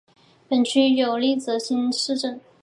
本区有立泽新市镇。